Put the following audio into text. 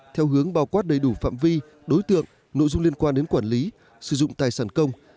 theo hướng bao quát đầy đủ phạm vi đối tượng nội dung liên quan đến quản lý sử dụng tài sản công